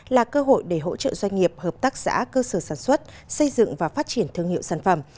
là cơ hội để hỗ trợ doanh nghiệp hợp tác xã cơ sở sản xuất xây dựng và phát triển thương hiệu sản phẩm